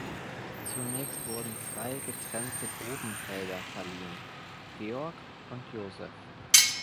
Zunächst wurden zwei getrennte Grubenfelder verliehen (Georg und Joseph).